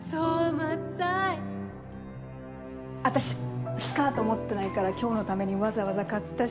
私スカート持ってないから今日のためにわざわざ買ったし。